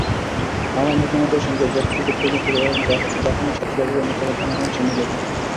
আমার মতামতের সঙ্গে জেট্রো রিপ্রেজেন্টেটিভ এবং জাপানের ছাত্রছাত্রীদের মতামত অনেকাংশেই মিলে যায়।